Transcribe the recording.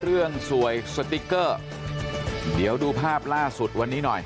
เรื่องสวยสติ๊กเกอร์เดี๋ยวดูภาพล่าสุดวันนี้หน่อย